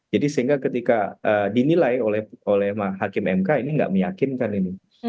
jadi sehingga ketika dinilai oleh hakim mk ini gak meyakinkan ini